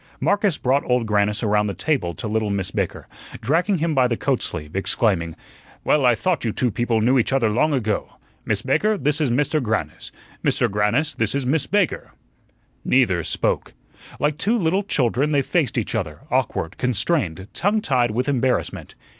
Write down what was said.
Marcus brought Old Grannis around the table to little Miss Baker, dragging him by the coat sleeve, exclaiming: "Well, I thought you two people knew each other long ago. Miss Baker, this is Mr. Grannis; Mr. Grannis, this is Miss Baker." Neither spoke. Like two little children they faced each other, awkward, constrained, tongue tied with embarrassment.